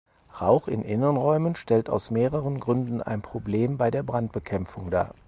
Rauch in Innenräumen stellt aus mehreren Gründen ein Problem bei der Brandbekämpfung dar.